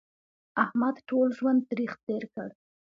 احمد ټول ژوند تریخ تېر کړ